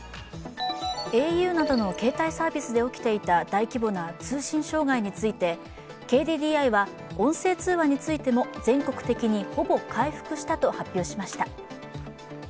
ａｕなどの携帯サービスで起きていた大規模な通信障害について、ＫＤＤＩは音声通話についても全国的にほぼ回復したと発表しました。